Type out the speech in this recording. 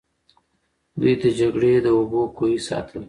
دوی د جګړې د اوبو کوهي ساتلې.